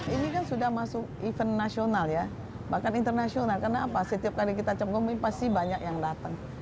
ini kan sudah masuk event nasional ya bahkan internasional karena apa setiap kali kita canggung ini pasti banyak yang datang